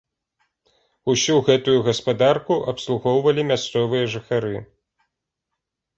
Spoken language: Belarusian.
Усю гэтую гаспадарку абслугоўвалі мясцовыя жыхары.